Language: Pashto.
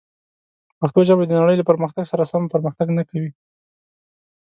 پښتو ژبه د نړۍ له پرمختګ سره سم پرمختګ نه کوي.